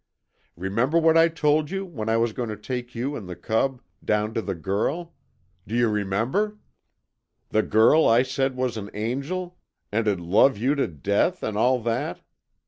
Remember what I told you, that I was going to take you and the cub down to the Girl? Do you remember? The Girl I said was an angel, and 'd love you to death, and all that?